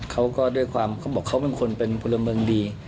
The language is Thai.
เขาก็ด้วยความเขาบอกเขาเป็นคนเป็นพลเมืองดี